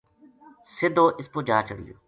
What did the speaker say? سدھو اس پو جا چڑھیو